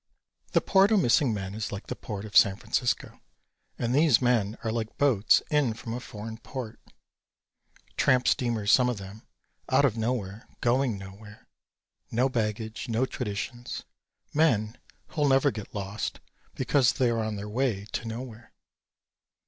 The Port o' Missing Men is like the Port of San Francisco, and these men are like boats in from a foreign port, tramp steamers some of them, out of nowhere, going nowhere, no baggage, no traditions, men who'll never get lost because they are on their way to Nowhere.